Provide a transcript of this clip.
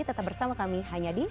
tetap bersama kami hanya di